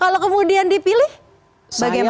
kalau kemudian dipilih bagaimana